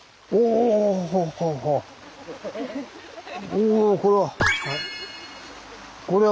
おぉこれは。